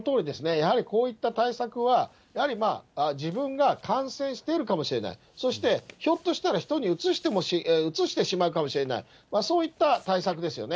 やはりこういった対策は、やはり自分が感染しているかもしれない、そして、ひょっとしたら人にうつしてしまうかもしれない、そういった対策ですよね。